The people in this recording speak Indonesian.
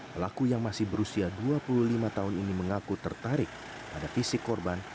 pelaku yang masih berusia dua puluh lima tahun ini mengaku tertarik pada fisik korban